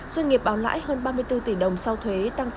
doanh nghiệp bảo lãi hơn ba mươi bốn tỷ đồng sau thuế tăng tám mươi bảy